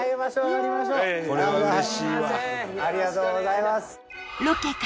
ありがとうございます。